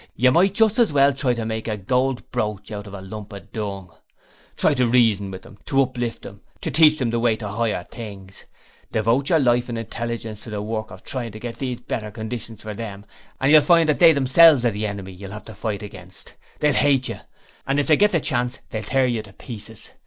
You might just as well try to make a gold brooch out of a lump of dung! Try to reason with them, to uplift them, to teach them the way to higher things. Devote your whole life and intelligence to the work of trying to get better conditions for them, and you will find that they themselves are the enemy you will have to fight against. They'll hate you, and, if they get the chance, they'll tear you to pieces.